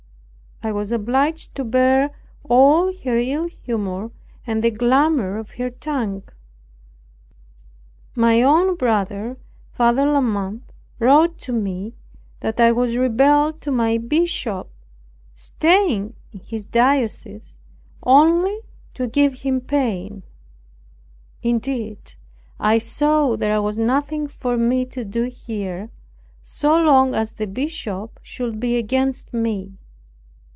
I was obliged to bear all her ill humor and the clamor of her tongue. My own brother, Father La Mothe, wrote to me that I was rebel to my bishop, staying in his diocese only to give him pain. Indeed, I saw there was nothing for me to do here, so long as the bishop should be against me.